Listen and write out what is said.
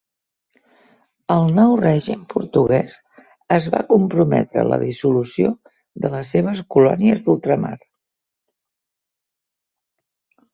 El nou règim portuguès es va comprometre a la dissolució de les seves colònies d'ultramar.